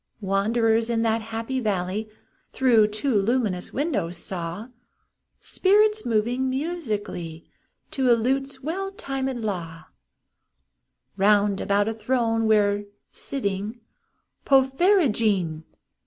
Wanderers in that happy valley, Through two luminous windows, saw Spirits moving musically, To a lute's well tunëd law, Bound about a throne where, sitting (Porphyrogene!)